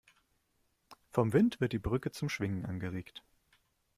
Vom Wind wird die Brücke zum Schwingen angeregt.